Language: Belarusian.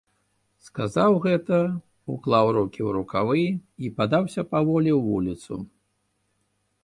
Сказаў гэта, уклаў рукі ў рукавы і падаўся паволі ў вуліцу.